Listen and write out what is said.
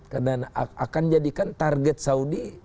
karena akan menjadikan target saudi